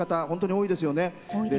本当に多いですよね。